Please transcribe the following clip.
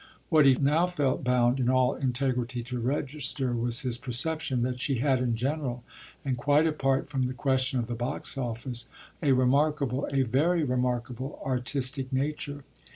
What he now felt bound in all integrity to register was his perception that she had, in general and quite apart from the question of the box office, a remarkable, a very remarkable, artistic nature.